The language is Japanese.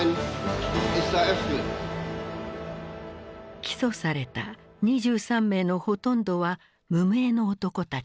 起訴された２３名のほとんどは無名の男たちだった。